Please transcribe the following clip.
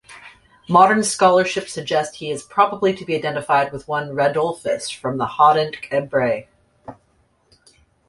Modern scholarship suggest he is probably to be identified with one Radulfus from Hodenc-en-Bray.